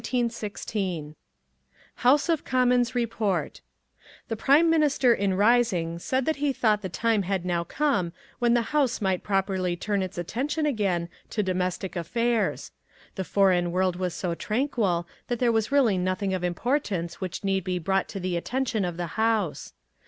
] HOUSE OF COMMONS REPORT The Prime Minister in rising said that he thought the time had now come when the House might properly turn its attention again to domestic affairs. The foreign world was so tranquil that there was really nothing of importance which need be brought to the attention of the House.